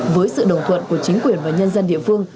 với sự đồng thuận của chính quyền và nhân dân địa phương